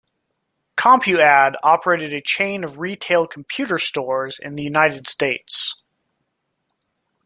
CompuAdd operated a chain of retail computer stores in the United States.